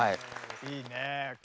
いいね。